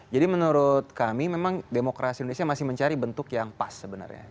jadi menurut kami memang demokrasi indonesia masih mencari bentuk yang pas sebenarnya